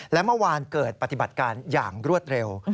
และเมื่อวานเกิดปฏิบัติการอย่างรวดเร็ว